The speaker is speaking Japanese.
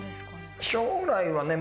将来はね